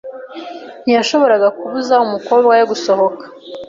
Ntiyashoboraga kubuza umukobwa we gusohoka.